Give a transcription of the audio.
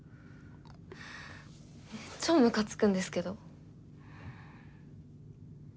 超ムカつくんですけど。